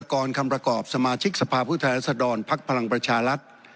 กรคำประกอบสมาชิกสภาพผู้แทนรัศดรภักดิ์พลังประชารัฐ